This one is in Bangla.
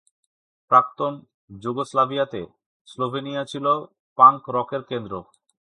প্রাক্তন যুগোস্লাভিয়াতে, স্লোভেনিয়া ছিল পাঙ্ক রকের কেন্দ্র।